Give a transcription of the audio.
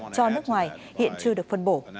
cho nước ngoài hiện chưa được phân bổ